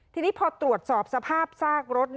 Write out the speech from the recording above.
ทีนี้พอตรวจสอบสภาพซากรถ